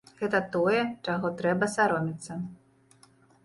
Гэта тое, чаго трэба саромецца.